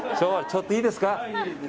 ちょっといいですか？